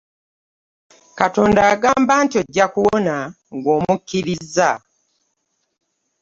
Katonda agamba nti ojja kuwona ng'omukkirizza.